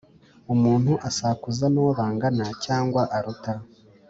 Umuntu asakuza n’uwo bangana cyangwa aruta